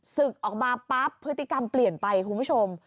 ศึกออกมาปั๊บพฤติกรรมเปลี่ยนไปคุณผู้ชม